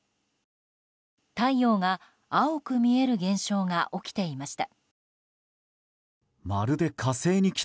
太陽が青く見える現象が起きていました。